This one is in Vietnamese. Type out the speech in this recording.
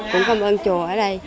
cũng cảm ơn chùa ở đây